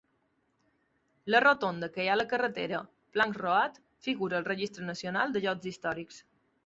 La rotonda que hi ha a la carretera Plank Road figura al Registre Nacional de Llocs Històrics.